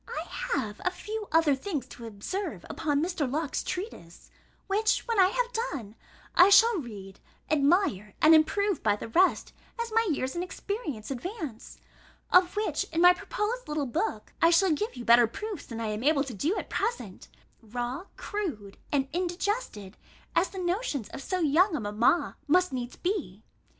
I have a few other things to observe upon Mr. Locke's treatise, which, when I have done, I shall read, admire, and improve by the rest, as my years and experience advance; of which, in my proposed little book, I shall give you better proofs than I am able to do at present; raw, crude, and indigested as the notions of so young a mamma must needs be.